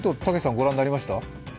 ご覧になりました？